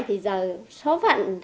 thì giờ số phận